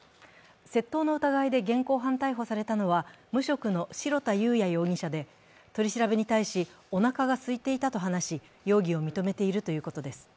窃盗の疑いで現行犯逮捕されたのは、無職の白田佑哉容疑者で取り調べに対しおなかがすいていたと話し容疑を認めているということです。